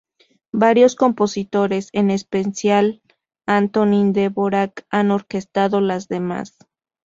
Varios compositores, en especial, Antonín Dvořák, han orquestado las demás.